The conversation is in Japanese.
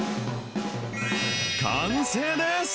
完成です。